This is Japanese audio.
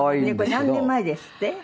これ何年前ですって？